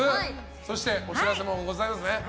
そして、お知らせもございますね。